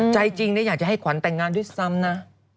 ใจจริงอยากจะให้ขวัญแต่งงานด้วยซ้ำนะ